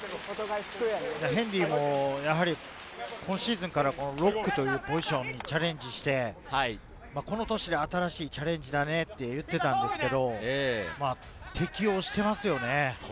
ヘンリーもやはり、今シーズンからロックというポジションにチャレンジして、この歳で新しいチャレンジだねと言っていたんですけれど、適応していますよね。